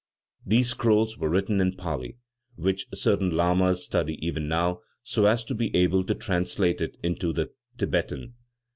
These scrolls were written in Pali, which certain lamas study even now, so as to be able to translate it into the Thibetan.